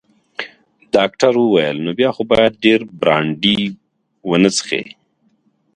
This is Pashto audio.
ډاکټر وویل: نو بیا خو باید ډیر برانډي ونه څښې.